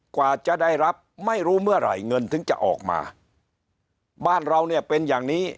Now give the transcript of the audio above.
กว่าจะได้รับไม่รู้เมื่อไหร่เงินถึงจะออกมาบ้านเราเนี่ยเป็นอย่างนี้